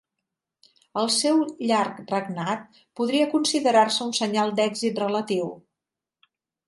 El seu llarg regnat podria considerar-se un senyal d'èxit relatiu.